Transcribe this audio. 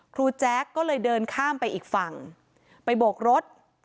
แจ๊กก็เลยเดินข้ามไปอีกฝั่งไปโบกรถ